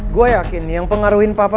gue yakin yang pengaruhin papa